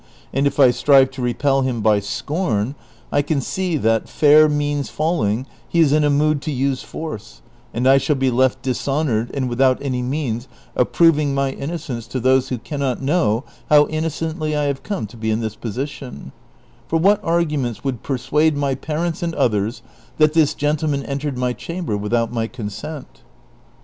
And if I strive to repel him by scorn, I can see that, fair means failing, he is in a mood to use force, and I shall be left ilishonored and without any means of proving my innocence to those who can not know how innocently I have come to be in this position ; for what arguments would jjersuade my parents and others that this gentleman entered my chamber without my consent?